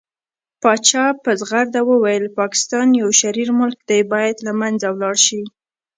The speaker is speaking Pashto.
پاچا په ځغرده وويل پاکستان يو شرير ملک دى بايد له منځه ولاړ شي .